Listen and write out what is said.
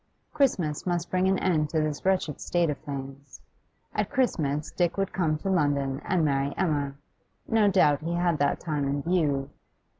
Christmas must bring an end to this wretched state of things; at Christmas Dick would come to London and marry Emma; no doubt he had that time in view.